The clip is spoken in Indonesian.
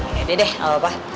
ya deh deh nggak apa apa